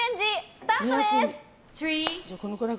スタートです！